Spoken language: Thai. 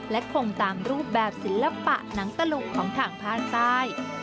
และคงตามรูปแบบศิลปะหนังตลกของทางภาคใต้